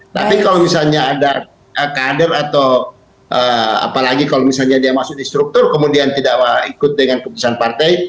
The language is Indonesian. tapi kalau misalnya ada kader atau apalagi kalau misalnya dia masuk di struktur kemudian tidak ikut dengan keputusan partai